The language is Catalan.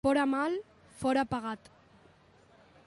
Fora mal, fora pegat.